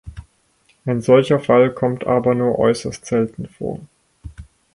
Ein solcher Fall kommt aber nur äußerst selten vor.